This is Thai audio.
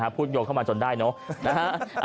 พูดโยงเข้ามาจนได้เนอะ